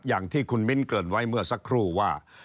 อย่างที่คุณมิ้นเกิดไว้เมื่อสักครู่ว่า